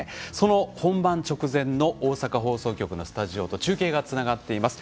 本番直前の大阪放送局のスタジオと中継がつながっています。